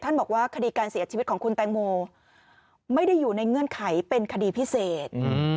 บอกว่าคดีการเสียชีวิตของคุณแตงโมไม่ได้อยู่ในเงื่อนไขเป็นคดีพิเศษ